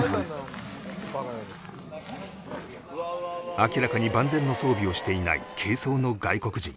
明らかに万全の装備をしていない軽装の外国人